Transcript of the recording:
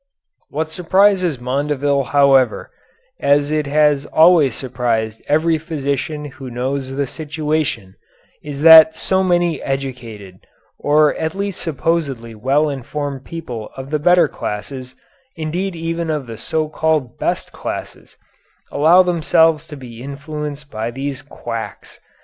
What surprises Mondeville however, as it has always surprised every physician who knows the situation, is that so many educated, or at least supposedly well informed people of the better classes, indeed even of the so called best classes, allow themselves to be influenced by these quacks.